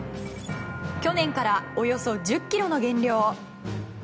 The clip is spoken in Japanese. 去年からおよそ１０ｋｇの減量。